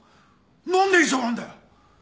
何で遺書があんだよ。